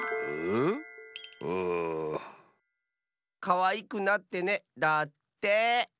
「かわいくなってね」だって。